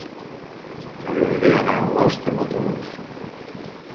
M'agradaria anar a Olost amb autobús.